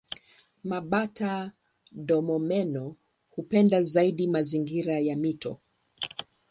Mabata-domomeno hupenda zaidi mazingira ya mito.